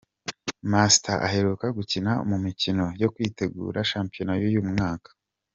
Master aheruka gukina mu mikino yo kwitegura shampiyona y’uyu mwaka.